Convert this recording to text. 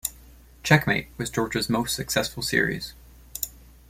"Checkmate" was George's most successful series.